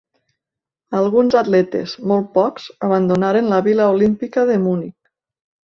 Alguns atletes, molt pocs, abandonaren la vila olímpica de Munic.